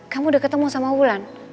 kamu udah ketemu sama bulan